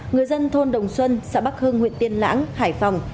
người dân thôn đồng xuân xã bắc hưng huyện tiên lãng hải phòng